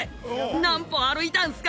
何歩歩いたんすか？